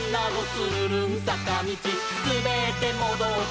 つるるんさかみち」「すべってもどって」